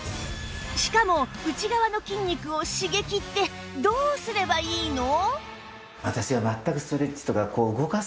しかも内側の筋肉を刺激ってどうすればいいの？